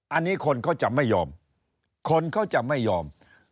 อันนี้คนเขาจะไม่ยอมคนเขาจะไม่ยอม